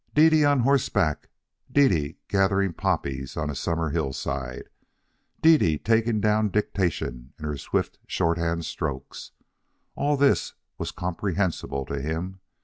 Dede on horseback, Dede gathering poppies on a summer hillside, Dede taking down dictation in her swift shorthand strokes all this was comprehensible to him.